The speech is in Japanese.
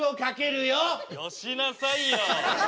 よしなさいよ。